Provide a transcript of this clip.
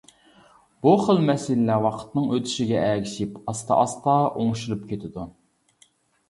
بۇ خىل مەسىلىلەر ۋاقىتنىڭ ئۆتۈشىگە ئەگىشىپ، ئاستا-ئاستا ئوڭشىلىپ كېتىدۇ.